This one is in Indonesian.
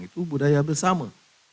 itu budaya bersama